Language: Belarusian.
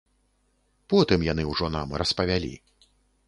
Потым яны ўжо нам распавялі.